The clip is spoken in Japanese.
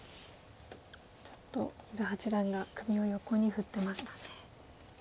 ちょっと伊田八段が首を横に振ってましたね。